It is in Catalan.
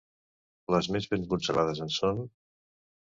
Les més ben conservades en són: